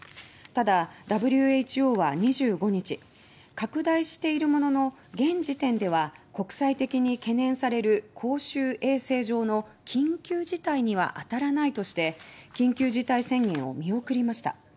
ただ、ＷＨＯは２５日「拡大しているものの現時点では国際的に懸念される公衆衛生上の緊急事態には当たらない」として緊急事態宣言を見送りました。